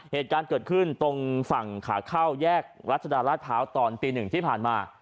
เหตุการณ์เกิดขึ้นตรงฝั่งขาเข้าแยกรัชดาราชพร้าวตอนตีหนึ่งที่ผ่านมา